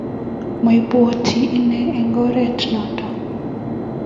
mabwaat inen eng ore noto.